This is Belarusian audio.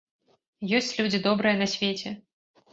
Ёсць людзі добрыя на свеце.